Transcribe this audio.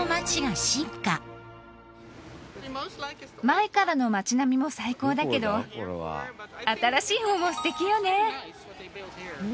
前からの街並みも最高だけど新しい方も素敵よね。